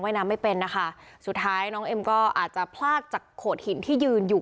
น้ำไม่เป็นนะคะสุดท้ายน้องเอ็มก็อาจจะพลาดจากโขดหินที่ยืนอยู่